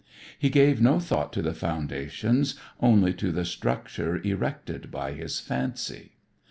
He gave no thought to the foundations, only to the structure erected by his fancy.